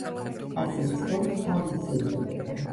ასეთ სხეულს თალუსი ეწოდება.